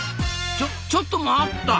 ちょちょっと待った！